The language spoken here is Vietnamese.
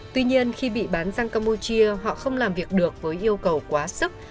tuy nhiên khi bị bán sang campuchia họ không làm việc được với yêu cầu quá sức